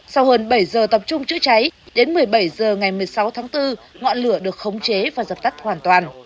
sau hơn bảy giờ tập trung chữa cháy đến một mươi bảy h ngày một mươi sáu tháng bốn ngọn lửa được khống chế và dập tắt hoàn toàn